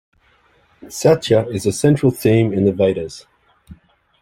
"Satya" is a central theme in the Vedas.